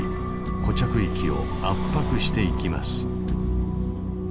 固着域を圧迫していきます。